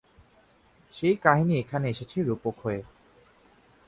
সেই কাহিনি এখানে এসেছে রূপক হয়ে।